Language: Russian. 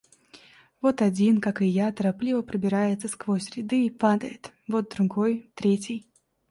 Вот один, как и я, торопливо пробирается сквозь ряды и падает; вот другой, третий.